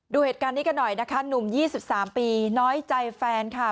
ดูเหตุการณ์นี้กันหน่อยนะคะหนุ่ม๒๓ปีน้อยใจแฟนค่ะ